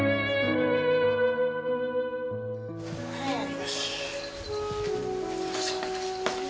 よし。